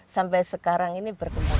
sampai sekarang ini berkembang